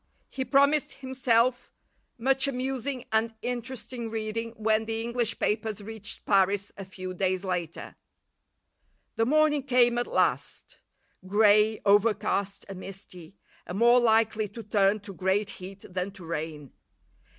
He promised himself much amusing and interesting reading when the English papers reached Paris a few days later. The morning came at last; grey, overcast, and misty, and more likely to turn to great heat than to rain.